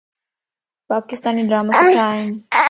پاڪستاني ڊراما سُٺا ائين